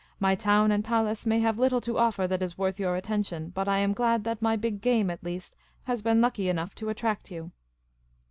" My town and palace may have little to offer that is worth your attention ; but I am glad that my big game, at least, has been lucky enough to attract you."